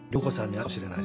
はい。